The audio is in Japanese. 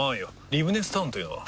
リブネスタウンというのは？